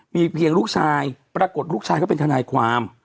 มีเพียงลูกชายปรากฏลูกชายก็เป็นทนายความ